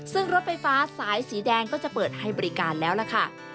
ซึ่งรถไฟฟ้าสายสีแดงก็จะเปิดให้บริการแล้วล่ะค่ะ